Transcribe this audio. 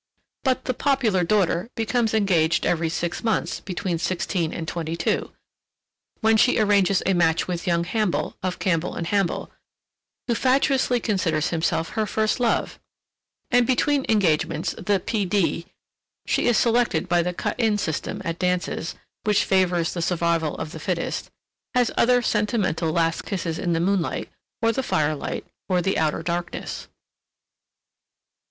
But the Popular Daughter becomes engaged every six months between sixteen and twenty two, when she arranges a match with young Hambell, of Cambell & Hambell, who fatuously considers himself her first love, and between engagements the P. D. (she is selected by the cut in system at dances, which favors the survival of the fittest) has other sentimental last kisses in the moonlight, or the firelight, or the outer darkness.